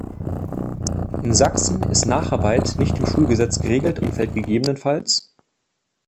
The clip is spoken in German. In Sachsen ist Nacharbeit nicht im Schulgesetz geregelt und fällt ggf.